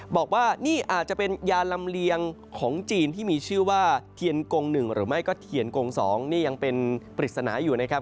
บอกว่านี่อาจจะเป็นยาลำเลียงของจีนที่มีชื่อว่าเทียนกง๑หรือไม่ก็เทียนกง๒นี่ยังเป็นปริศนาอยู่นะครับ